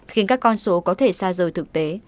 khiến các con số có thể xa rời thực tế